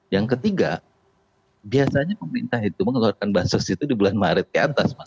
yang ketiga biasanya pemerintah itu mengeluarkan bansos itu di bulan maret ke atas mas